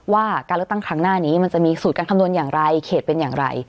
ว่าการเลือกตั้งครั้งหน้านี้มันจะมีสูตรการคำนวณอย่างไรเขตเป็นอย่างไร